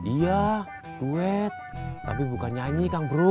iya duet tapi bukan nyanyi kang bro